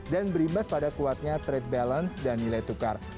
dan berimbas pada kuatnya trade balance dan nilai tukar